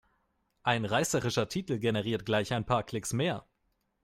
Ein reißerischer Titel generiert gleich ein paar Klicks mehr.